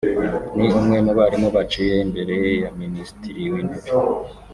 ni umwe mu barimu baciye imbere ya Minisitiri w’Intebe